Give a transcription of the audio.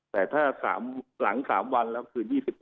แต่ถ้าหลัง๓วันแล้วคือ๒๗